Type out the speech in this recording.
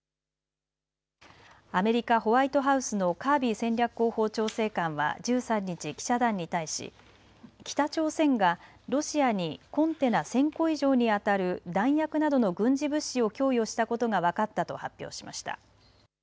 アメリカ・ホワイトハウスのカービー戦略広報調整官は１３日、記者団に対し北朝鮮がロシアにコンテナ１０００個以上にあたる弾薬などの軍事物資を供与したことが分かったと発表しました。